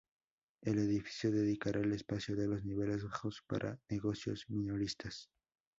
El edificio dedicará el espacio de los niveles bajos para negocios minoristas